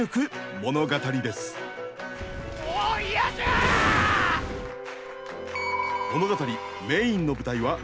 物語メインの舞台は東海地方。